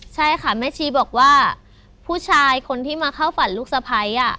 ใช่ค่ะแม่ชีบอกว่าผู้ชายคนที่มาเข้าฝันลูกสะพ้าย